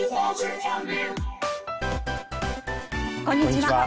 こんにちは。